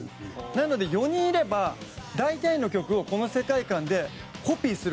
なので４人いれば大体の曲をこの世界観でコピーする事ができたんです。